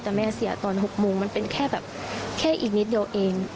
แต่แม่เสียตอน๖โมงมันเป็นแค่แบบแค่อีกนิดเดียวเอง